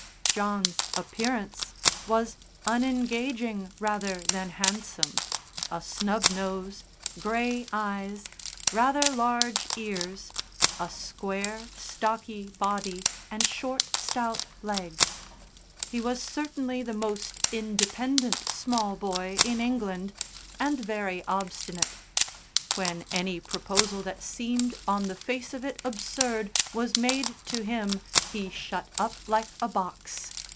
John's appearance was unengaging rather than handsome a snub nose, grey eyes, rather large ears, a square, stocky body and short, stout legs. He was certainly the most independent small boy in England, and very obstinate; when any proposal that seemed on the face of it absurd was made to him, he shut up like a box.